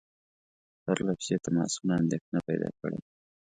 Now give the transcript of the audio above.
پرله پسې تماسونو اندېښنه پیدا کړې وه.